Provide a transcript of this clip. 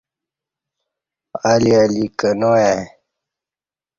الی الی کنا ای